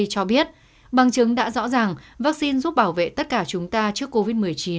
cho biết bằng chứng đã rõ ràng vaccine giúp bảo vệ tất cả chúng ta trước covid một mươi chín